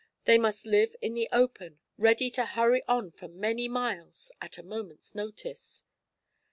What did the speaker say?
They must live in the open, ready to hurry on for many miles at a moment's notice.